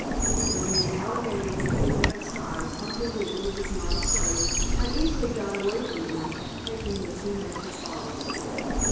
And when the alligator became that size Uncle Wiggily was not afraid and easily got away from him, taking the two magic bottles.